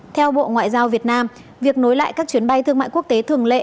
theo bộ ngoại giao việt nam việc nối lại các chuyến bay thương mại quốc tế thường lệ